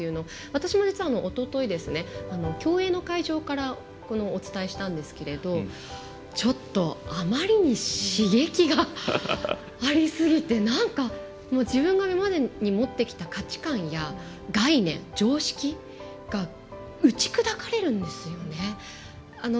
私も実は、おととい、競泳の会場からお伝えしたんですけどちょっとあまりに刺激がありすぎてなんか自分が今までに持ってきた価値観や概念、常識が打ち砕かれるんですよね。